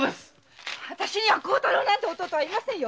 わたしには孝太郎なんて弟はいませんよ！